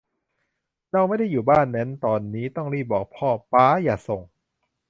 เราไม่ได้อยู่บ้านนั้นตอนนี้ ต้องรีบบอกพ่อ ป๊าอย่าส่ง